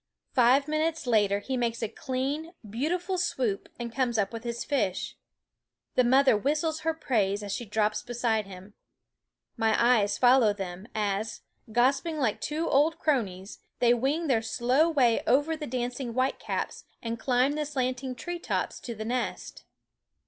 Five minutes later he makes a clean, beautiful swoop and comes up with his fish. The mother whistles her praise as she drops beside him. My eyes fol low them as, gossiping like two old cronies, they wing their slow way over the dancing whitecaps and climb the slanting tree tops to the nest.